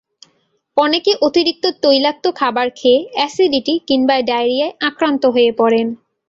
অনেকে অতিরিক্ত তৈলাক্ত খাবার খেয়ে অ্যাসিডিটি কিংবা ডায়রিয়ায় আক্রান্ত হয়ে পড়েন।